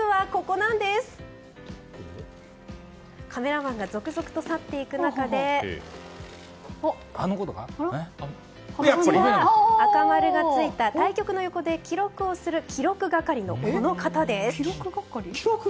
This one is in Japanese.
実は、カメラマンが続々と去っていく中で赤丸がついた対局の横で記録をする記録係のこの方です。